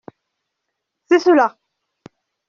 C’est cela.